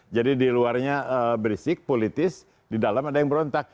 jadi di luarnya berisik politis di dalam ada yang berontak